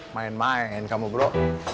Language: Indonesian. main main kamu bro